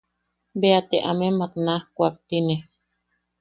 Bea te amemak naj kuaktine.